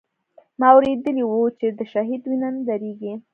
ما اورېدلي و چې د شهيد وينه نه درېږي.